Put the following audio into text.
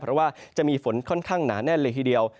เพราะว่าจะมีฝนค่อนข้างหนาแน่นเลยทีเดียว